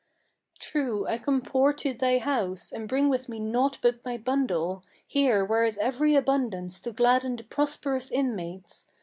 True, I come poor to thy house, and bring with me naught but my bundle Here where is every abundance to gladden the prosperous inmates.